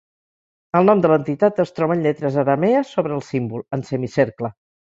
El nom de l'entitat es troba en lletres aramees sobre el símbol, en semicercle.